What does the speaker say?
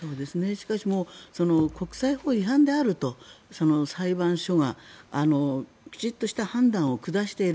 しかし国際法違反であると裁判所がきちんとした判断を下している。